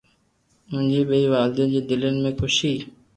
منهنجي ٻنهي والدين جي دلين ۾ خوشي